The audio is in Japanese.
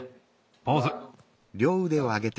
ポーズ。